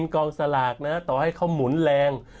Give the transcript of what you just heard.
กองสลากนะต่อให้เขาหมุนแรง